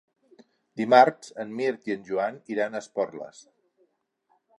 Dimarts en Mirt i en Joan iran a Esporles.